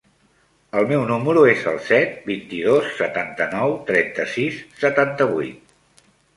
El meu número es el set, vint-i-dos, setanta-nou, trenta-sis, setanta-vuit.